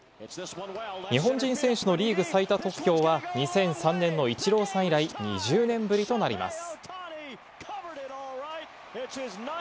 日本人選手のリーグ最多得票は２００３年のイチローさん以来、２０年ぶりとなります。